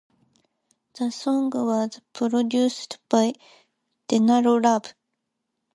The song was produced by Denaro Love.